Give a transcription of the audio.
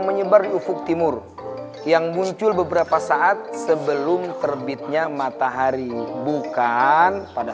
menyebar di ufuk timur yang muncul beberapa saat sebelum terbitnya matahari bukan pada